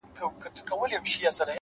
چي سترگو ته يې گورم، وای غزل لیکي،